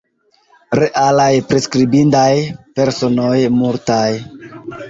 Realaj priskribindaj personoj multas.